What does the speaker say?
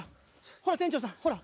ほら店長さんほら。